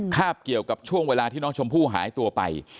เกี่ยวกับช่วงเวลาที่น้องชมพู่หายตัวไป